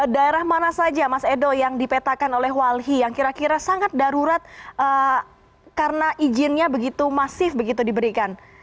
daerah mana saja mas edo yang dipetakan oleh walhi yang kira kira sangat darurat karena izinnya begitu masif begitu diberikan